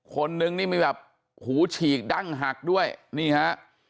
คนนึงนี่มีแบบหูฉีกดั้งหักด้วยนี่ฮะ